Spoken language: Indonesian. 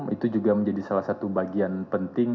itu juga menjadi salah satu bagian penting